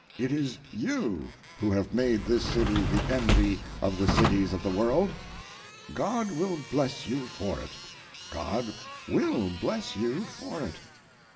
It is you who have made this city the envy of the cities of the world. God will bless you for it—God will bless you for it.